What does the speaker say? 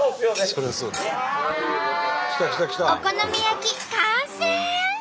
お好み焼き完成！